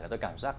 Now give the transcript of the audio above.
là tôi cảm giác